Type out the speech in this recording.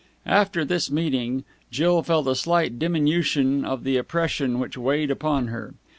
After this meeting, Jill felt a slight diminution of the oppression which weighed upon her.